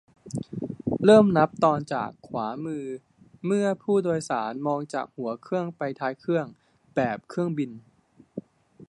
- เริ่มนับตอนจากขวามือเมื่อผู้โดยสารมองจากหัวเครื่องไปท้ายเครื่อง แบบเครื่องบิน